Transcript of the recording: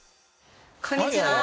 こんにちは。